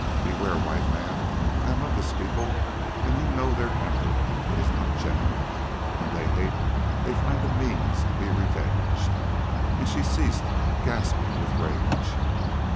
Beware, White Man, I am of this people, and you know their temper, it is not gentle; when they hate they find a means to be revenged," and she ceased, gasping with rage.